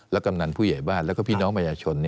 และกำหนังผู้ใหญ่บ้านแล้วก็พี่น้องมายชน